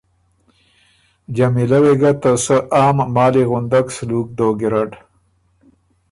جمیله وې بو ګۀ ته سۀ عام مالی غُندک سلوک دوک ګیرډ،